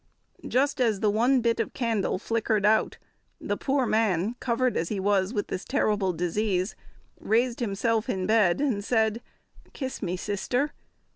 Just as the one bit of candle flickered out, the poor man, covered as he was with the terrible disease, raised himself in bed and said, "Kiss me, Sister."